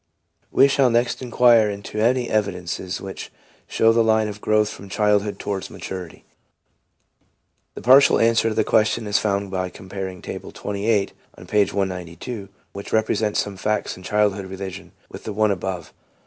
We shall next inquire into any evidences which show the line of growth from childhood towards maturity. A partial answer to the question is found by comparing Table XVIII. on page 192, which repre sents some facts of childhood religion, with the one above.